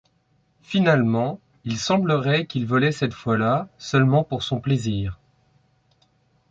Finalement, il semblerait qu'il volait cette fois-là seulement pour son plaisir.